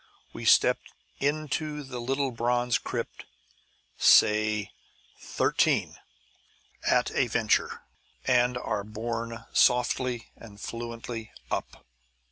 We step into the little bronze crypt, say "Thirteen" at a venture, and are borne softly and fluently up.